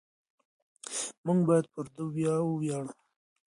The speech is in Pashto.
موږ باید پر ده وویاړو.